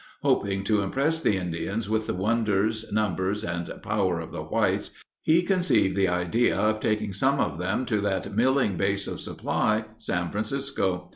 Hoping to impress the Indians with the wonders, numbers, and power of the whites, he conceived the idea of taking some of them to that milling base of supply, San Francisco.